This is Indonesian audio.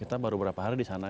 kita baru beberapa hari di sana